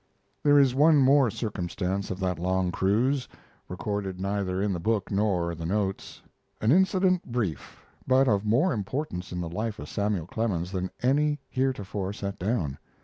There is one more circumstance of that long cruise recorded neither in the book nor the notes an incident brief, but of more importance in the life of Samuel Clemens than any heretofore set down.